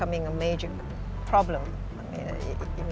menjadi masalah utama